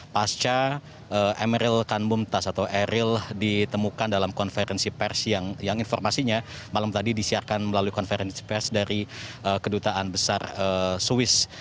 pasca emeril kan bumtaz atau eril ditemukan dalam konferensi pers yang informasinya malam tadi disiarkan melalui konferensi pers dari kedutaan besar swiss